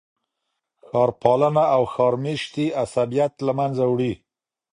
ښار پالنه او ښار میشتي عصبیت له منځه وړي.